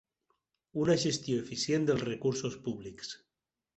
Una gestió eficient dels recursos públics.